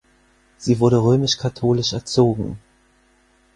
Sie wurde römisch-katholisch erzogen.